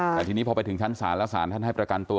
แต่ทีนี้พอไปถึงชั้นศาลแล้วศาลท่านให้ประกันตัว